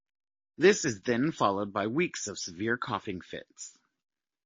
This is then followed by weeks of severe coughing fits.